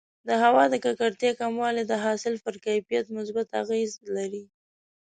د هوا د ککړتیا کموالی د حاصل پر کیفیت مثبت اغېز لري.